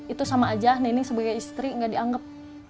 itu sama aja neneng sebagai istri gak dianggap